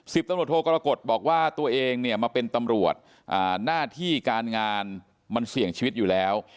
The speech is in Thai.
ตำรวจโทกรกฎบอกว่าตัวเองเนี่ยมาเป็นตำรวจหน้าที่การงานมันเสี่ยงชีวิตอยู่แล้ว